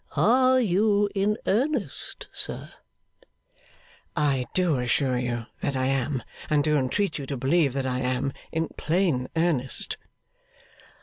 Are you in earnest, sir?' 'I do assure you that I am, and do entreat you to believe that I am, in plain earnest.